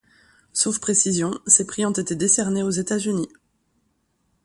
Sauf précisions, ces prix ont été décernés aux États-Unis.